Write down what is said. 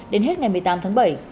đến hết ngày một mươi tám tháng bảy